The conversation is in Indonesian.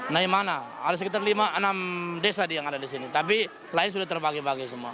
nah yang mana ada sekitar lima enam desa yang ada di sini tapi lain sudah terbagi bagi semua